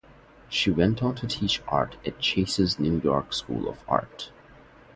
She went on to teach art at Chase's New York School of Art.